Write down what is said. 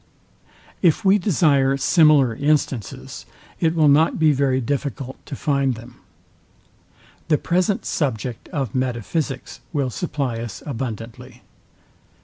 If we desire similar instances, it will not be very difficult to find them. The present subject of metaphysics will supply us abundantly.